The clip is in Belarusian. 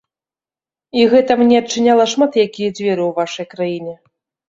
І гэта мне адчыняла шмат якія дзверы ў вашай краіне.